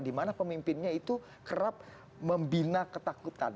di mana pemimpinnya itu kerap membina ketakutan